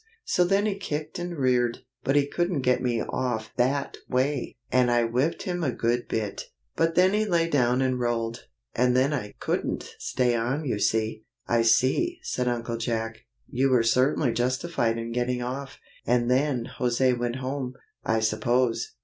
So then he kicked and reared, but he couldn't get me off that way, and I whipped him a good bit. But then he lay down and rolled, and then I couldn't stay on you see!" "I see!" said Uncle Jack. "You were certainly justified in getting off. And then José went home, I suppose?"